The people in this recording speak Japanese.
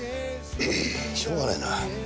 しょうがないな。